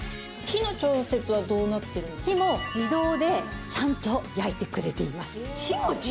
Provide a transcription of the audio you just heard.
火も自動でちゃんと焼いてくれています。